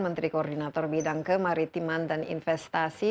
menteri koordinator bidang kemaritiman dan investasi